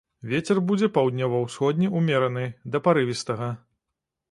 Вецер будзе паўднёва-ўсходні ўмераны да парывістага.